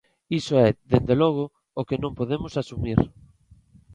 Iso é, dende logo, o que non podemos asumir.